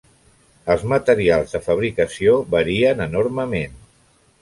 Els materials de fabricació varien enormement.